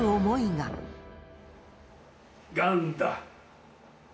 がんだ。